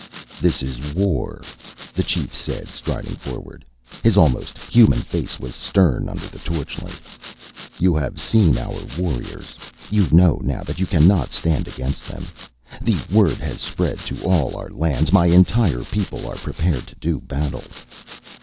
"This is war," the chief said, striding forward. His almost human face was stern under the torchlight. "You have seen our warriors. You know now that you cannot stand against them. The word has spread to all our lands. My entire people are prepared to do battle."